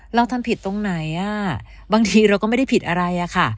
เราทำผิดตรงไหนบางทีเราก็ไม่ได้ผิดอะไรอะค่ะ